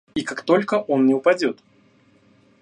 И как только он не упадет.